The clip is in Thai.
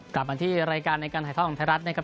กลับมาที่รายการในการถ่ายทอดของไทยรัฐนะครับ